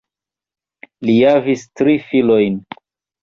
Li javis tri filojn.